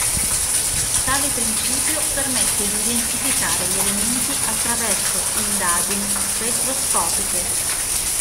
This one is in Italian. Tale principio permette di identificare gli elementi attraverso indagini spettroscopiche.